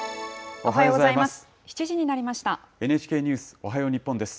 おはようございます。